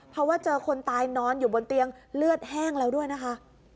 เพราะว่าเจอคนตายนอนอยู่บนเตียงเลือดแห้งแล้วด้วยนะคะ